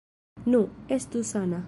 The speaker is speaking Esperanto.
Nu, estu sana.